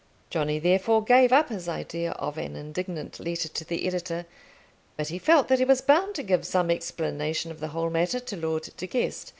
Johnny therefore gave up his idea of an indignant letter to the editor, but he felt that he was bound to give some explanation of the whole matter to Lord De Guest.